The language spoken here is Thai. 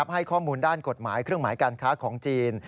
ให้ข้อมูลด้านกฎหมายเครื่องหมายการค้าของจีน